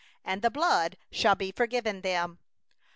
And the blood shall be forgiven them.